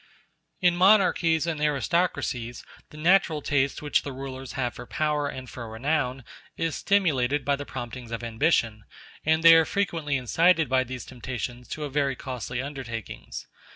In monarchies and aristocracies the natural taste which the rulers have for power and for renown is stimulated by the promptings of ambition, and they are frequently incited by these temptations to very costly undertakings.